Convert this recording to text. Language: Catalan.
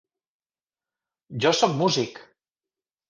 Jo sóc músic!